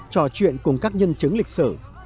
trò chuyện cùng các nhân chứng lịch sử